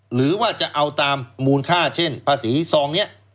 หรือว่าจะเอาตามมูลค่าเช่นภาษีซองนี้